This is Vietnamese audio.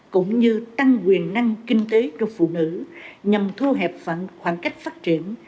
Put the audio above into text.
cũng như tăng quyền năng kinh tế cho phụ nữ nhằm thu hẹp khoảng cách phát triển